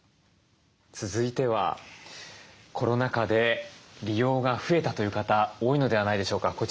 続いてはコロナ禍で利用が増えたという方多いのではないでしょうか？